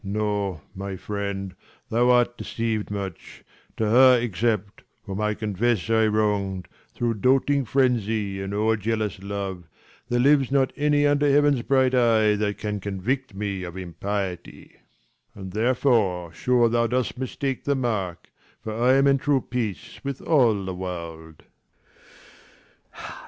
155 Leir. Ah, no, my friend, thou art deceived much : For her except, whom I confess I wrong'd, Through doting frenzy, and o'er jealous love, There lives not any under heaven's bright eye, Sc. vn] HIS THREE DAUGHTERS 65 That can convict me of impiety : 160 And therefore sure thou dost mistake the mark : For I am in true peace with all the world.